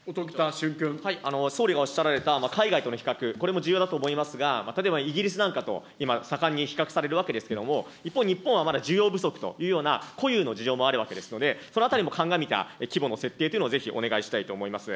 総理がおっしゃられた海外との比較、これも重要だと思いますが、たとえばイギリスなんかと今、盛んに比較されるわけですけれども、一方、日本はまだ需要不足というような固有の事情もあるわけですので、そのあたりも鑑みた規模の設定というのをぜひお願いしたいと思います。